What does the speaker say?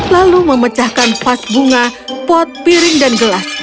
lalu memecahkan pas bunga pot piring dan gelas